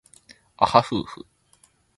あはふうふ